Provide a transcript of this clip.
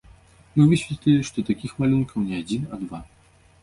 Мы высветлілі, што такіх малюнкаў не адзін, а два.